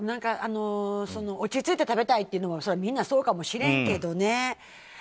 落ち着いて食べたいというのはみんなそうかもしれんけどね。